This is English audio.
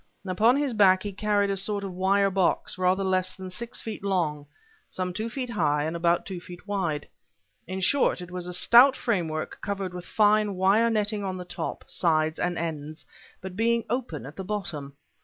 Upon his back he carried a sort of wire box rather less than six feet long, some two feet high, and about two feet wide. In short, it was a stout framework covered with fine wire netting on the top, sides and ends, but being open at the bottom.